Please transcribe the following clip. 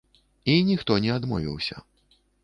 І ніхто не адмовіўся.